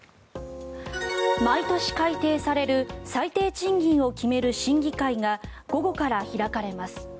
毎年改定される最低賃金を決める審議会が午後から開かれます。